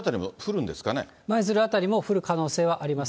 舞鶴辺りも降る可能性はあります。